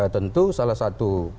tentu salah satu